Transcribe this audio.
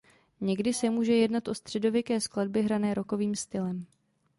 Někdy se může jednat o středověké skladby hrané rockovým stylem.